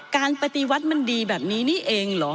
ปฏิวัติมันดีแบบนี้นี่เองเหรอ